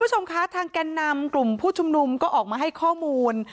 คุณผู้ชมคะทางแก่นำกลุ่มผู้ชุมนุมก็ออกมาให้ข้อมูล